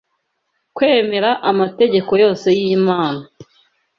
kwemera amategeko yose y’Imana